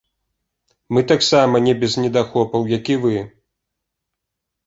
Мы таксама не без недахопаў, як і вы.